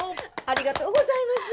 ありがとうございます。